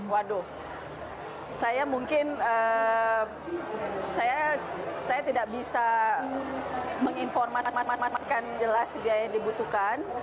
waduh saya mungkin saya tidak bisa menginformasikan jelas biaya yang dibutuhkan